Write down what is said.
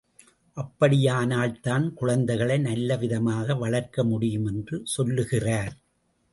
அப்படியானால்தான் குழந்தைகளை நல்லவிதமாக வளர்க்க முடியும் என்று சொல்லுகிறார்.